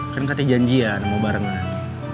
kan kasih janjian mau barengan